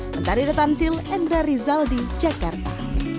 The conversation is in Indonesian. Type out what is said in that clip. menteri retansil endra rizal di jakarta